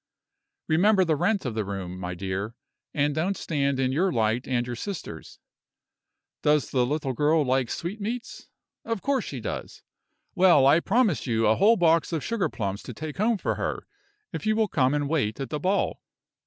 Remember the rent of the room, my dear, and don't stand in your light and your sister's. Does the little girl like sweetmeats? Of course she does! Well, I promise you a whole box of sugar plums to take home for her, if you will come and wait at the ball."